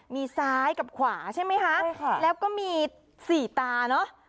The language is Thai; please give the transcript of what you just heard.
มีซ้ายกับขวาใช่ไหมคะใช่ค่ะแล้วก็มีสี่ตาเนอะ